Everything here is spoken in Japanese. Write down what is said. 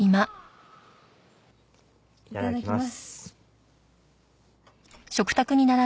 いただきます。